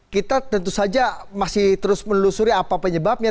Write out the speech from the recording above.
kita tentu saja masih terus menelusuri apa penyebabnya